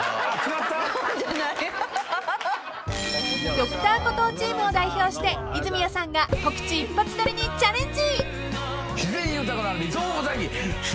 ［Ｄｒ．コトーチームを代表して泉谷さんが告知一発撮りにチャレンジ］